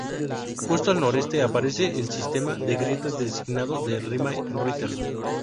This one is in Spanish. Justo al noroeste aparece el sistema de grietas designado Rimae Ritter.